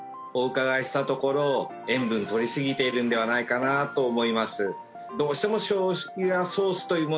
お伺いしたところ塩分取りすぎているんではないかなと思います